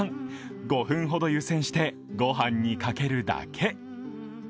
５分ほど湯せんして、御飯にかけるだけ。